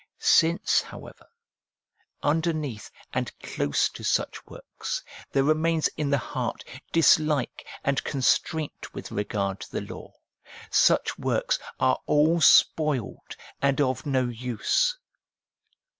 Since, however, underneath and close to such works there remains in the heart dislike and constraint with regard to the law, such works are all spoiled and of no use.